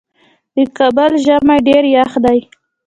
د کابل ژمی ډیر یخ دی